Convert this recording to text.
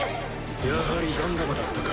やはりガンダムだったか。